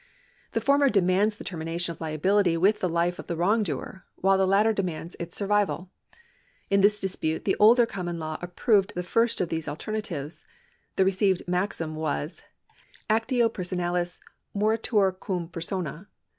The former demands the termination of liability with the life of the wrongdoer, while the latter demands its survival. In this dispute the older common law approved the first of those alternatives. The received maxim was : Actio personalis moritur cum 2?ersowa.